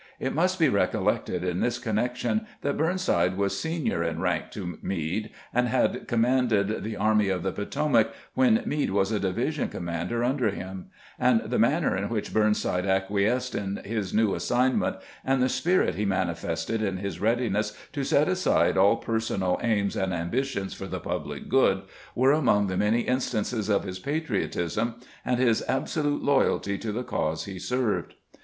It must be recollected in this connection that Burnside was senior in rank to Meade, and had commanded the Army of the Potomac when Meade was a division commander under him ; and the manner in which Burnside acquiesced in his new assignment, and the spirit he manifested in his readiness to set aside all personal aims and ambitions for the public good, were among the many instances of his patriotism and his absolute loyalty to the cause he served.